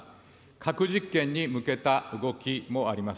核実験に向けた動きもあります。